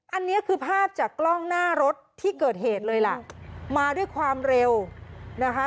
อันนี้คือภาพจากกล้องหน้ารถที่เกิดเหตุเลยล่ะมาด้วยความเร็วนะคะ